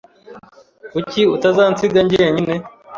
Kuki utazansiga jyenyine?